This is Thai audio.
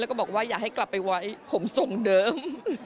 แล้วก็บอกว่าอยากให้กลับไปไว้ผมทรงเดิม